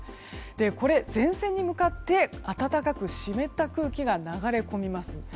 これ、前線に向かって暖かく湿った空気が流れ込みます。